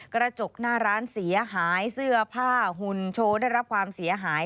กระจกหน้าร้านเสียหายเสื้อผ้าหุ่นโชว์ได้รับความเสียหาย